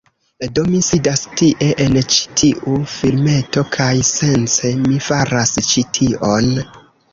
Do, mi sidas tie, en ĉi tiu filmeto, kaj, sence mi faras ĉi tion...